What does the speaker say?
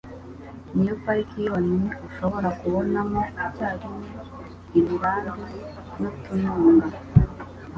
Ni yo pariki yonyine ushobora kubonamo icyarimwe imirambi n'utununga